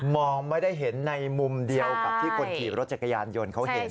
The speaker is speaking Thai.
ไม่ได้เห็นในมุมเดียวกับที่คนขี่รถจักรยานยนต์เขาเห็น